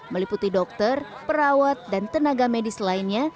meliputi dokter perawat dan tenaga medis lainnya